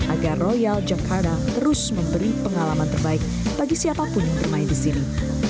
agar royal jakarta terus memberi pengalaman terbaik bagi siapapun yang bermain di sini